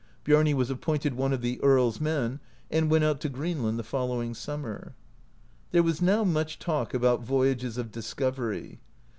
Biarni was appointed one of the Earl's men, and went out to Green land the following summer. There was now much talk about voyages of discovery.